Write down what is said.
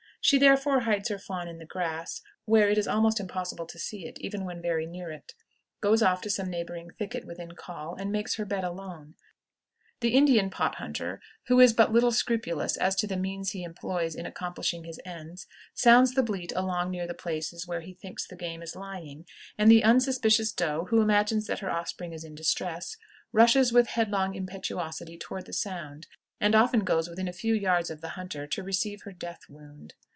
She therefore hides her fawn in the grass, where it is almost impossible to see it, even when very near it, goes off to some neighboring thicket within call, and makes her bed alone. The Indian pot hunter, who is but little scrupulous as to the means he employs in accomplishing his ends, sounds the bleat along near the places where he thinks the game is lying, and the unsuspicious doe, who imagines that her offspring is in distress, rushes with headlong impetuosity toward the sound, and often goes within a few yards of the hunter to receive her death wound.